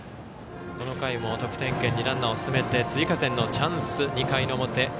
この回も得点圏にランナーを進めて追加点のチャンス、２回の表。